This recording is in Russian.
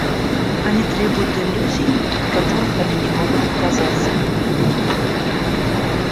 Они требуют иллюзий, от которых они не могут отказаться.